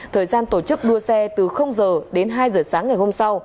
thời gian tổ chức đua xe từ giờ